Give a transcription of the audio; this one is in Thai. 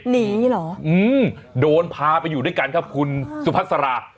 หนีเหรอโดนพาไปอยู่ด้วยกันครับคุณสุพัสรา